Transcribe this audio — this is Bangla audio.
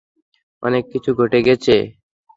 অনেক কিছু ঘটে গেছে।